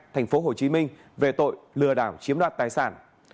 thành phố hồ chí minh về tội lừa đảo chiếm đoạt tài sản